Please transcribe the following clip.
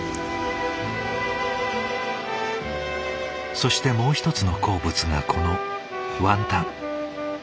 そしてもう一つの好物がこのワンタン。